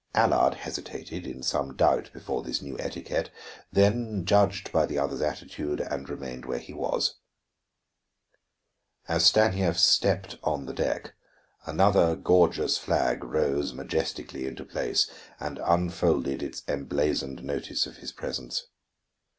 Allard hesitated, in some doubt before this new etiquette, then judged by the others' attitude and remained where he was. As Stanief stepped on the deck, another gorgeous flag rose majestically into place and unfolded its emblazoned notice of his presence.